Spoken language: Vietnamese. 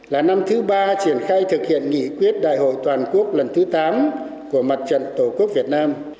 là năm thứ ba triển khai thực hiện nghị quyết đại hội toàn quốc lần thứ tám của mặt trận tổ quốc việt nam